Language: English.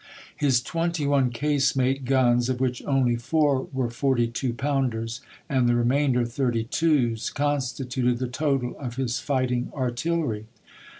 His twenty one casemate guns, of which only four were forty two pounders, and the remainder thirty twos, constituted the total of his fighting artillery.